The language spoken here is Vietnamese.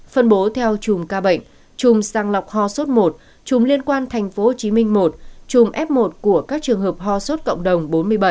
phân bố theo chùm ca bệnh chùm sang lọc ho sốt một chùm liên quan tp hcm một chùm f một của các trường hợp ho sốt cộng đồng bốn mươi bảy